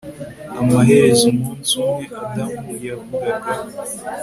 Amaherezo umunsi umwe Adamu yavugaga